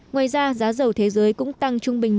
ngoài ra giá dầu thế giới cũng tăng trung bình một